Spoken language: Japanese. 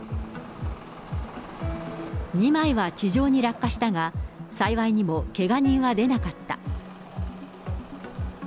２枚は地上に落下したが、幸いにも、けが人は出なかった。